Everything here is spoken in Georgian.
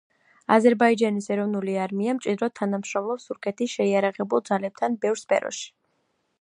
აზერბაიჯანის ეროვნული არმია მჭიდროდ თანამშრომლობს თურქეთის შეიარაღებულ ძალებთან ბევრ სფეროში.